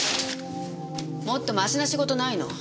もっとマシな仕事ないの？